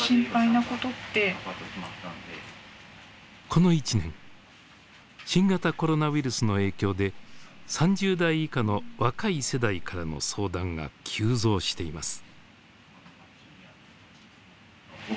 この１年新型コロナウイルスの影響で３０代以下の若い世代からの相談が急増しています。